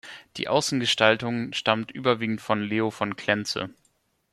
Die Außengestaltung stammt überwiegend von Leo von Klenze.